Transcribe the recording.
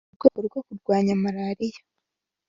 mu rwego rwo kurwanya malaria